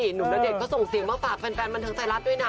หนุ่มณเดชนเขาส่งเสียงมาฝากแฟนบันเทิงไทยรัฐด้วยนะ